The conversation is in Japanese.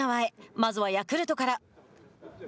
まずはヤクルトから。